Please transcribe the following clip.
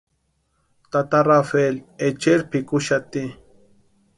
Tata Rafeli echeri pʼikuxati.